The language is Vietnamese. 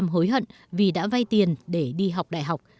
bốn mươi sáu hối hận vì đã vay tiền để đi học đại học